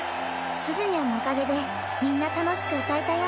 すずにゃんのおかげでみんな楽しく歌えたよ。